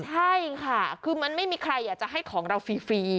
ใช่ค่ะคือมันไม่มีใครอยากจะให้ของเราฟรี